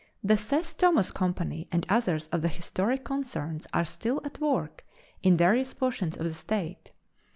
The Seth Thomas Company and others of the historic concerns are still at work in various portions of the state.